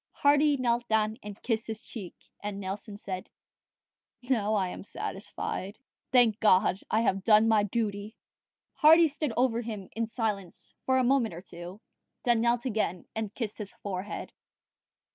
Hardy knelt down and kissed his cheek; and Nelson said, "Now I am satisfied. Thank God, I have done my duty!" Hardy stood over him in silence for a moment or two, then knelt again and kissed his forehead.